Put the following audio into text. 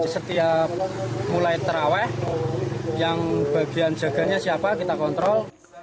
setiap mulai terawih yang bagian jaganya siapa kita kontrol